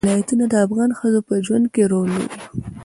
ولایتونه د افغان ښځو په ژوند کې رول لري.